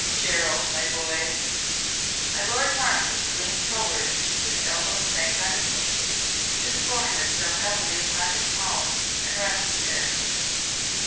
Gerald, my boy!" My lord Marquess leaned forward, his elbow sank on his knee, his forehead fell heavily upon his palm and rested there.